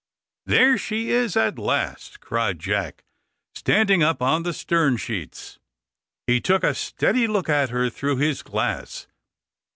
"There she is at last," cried Jack, standing up on the stern sheets. He took a steady look at her through his glass.